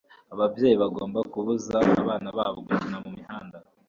ababyeyi bagomba kubuza abana babo gukina mumihanda